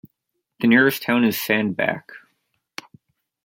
The nearest town is Sandbach.